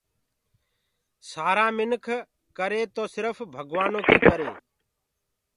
سآرآ منک ڪر تو سِرڦ ڀگوآنو ڪي ڪري۔